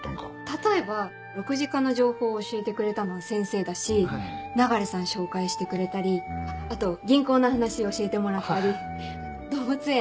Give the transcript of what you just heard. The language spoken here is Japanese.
例えば６次化の情報を教えてくれたのは先生だしナガレさん紹介してくれたりあと銀行の話教えてもらったり動物園。